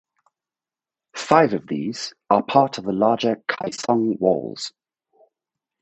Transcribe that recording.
Five of these are part of the larger Kaesong Walls.